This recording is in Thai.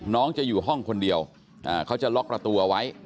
น้องจะอยู่ห้องคนเดียวเขาจะล็อกประตูเอาไว้